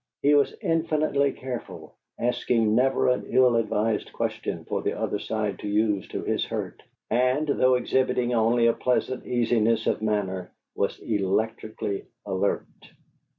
He was infinitely careful, asking never an ill advised question for the other side to use to his hurt, and, though exhibiting only a pleasant easiness of manner, was electrically alert.